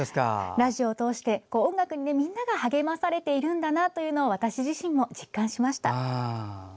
ラジオを通して、音楽にみんなが励まされているんだなと私自身も実感しました。